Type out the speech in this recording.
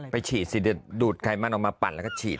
ฉีดสิเดี๋ยวดูดไขมันออกมาปั่นแล้วก็ฉีด